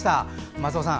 松尾さん